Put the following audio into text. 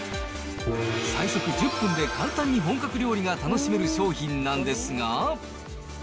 最速１０分で簡単に本格料理が楽しめる商品なんですが。